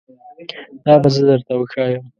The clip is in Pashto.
دا به زه درته وښایم